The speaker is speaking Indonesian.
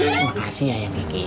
terima kasih ayang diki